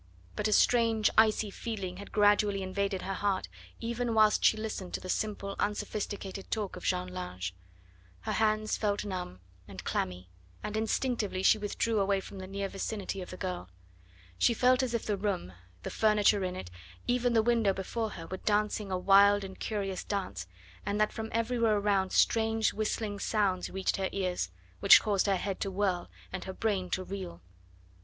But a strange icy feeling had gradually invaded her heart, even whilst she listened to the simple unsophisticated talk of Jeanne Lange. Her hands felt numb and clammy, and instinctively she withdrew away from the near vicinity of the girl. She felt as if the room, the furniture in it, even the window before her were dancing a wild and curious dance, and that from everywhere around strange whistling sounds reached her ears, which caused her head to whirl and her brain to reel.